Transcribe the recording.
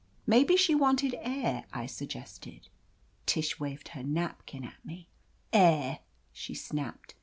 MayBe she wanted air," I suggested. Tish waved her napkin at me. "Air!" she snapped.